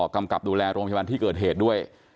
กำกับดูแลโรงพยาบาลที่เกิดเหตุด้วย